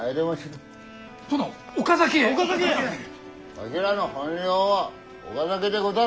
わひらの本領は岡崎でござる。